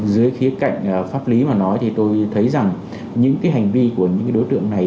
dưới khía cạnh pháp lý mà nói thì tôi thấy rằng những hành vi của những đối tượng này